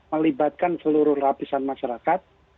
melibatkan seluruh rapisan masyarakat